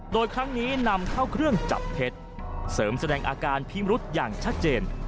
โดยครั้งนี้นำเข้าเครื่องจับเท็จเสริมแสดงอาการพิมรุษอย่างชัดเจน